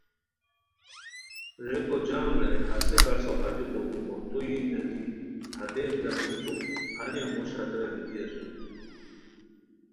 ریکو جام رے ہسے کاݰو اچی لوڑی بوختو یی نیزی ہتئے دراغلیکو ہانیہ موش ہتیرا گیتی اسور